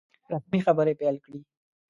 رسمي خبري پیل کړې.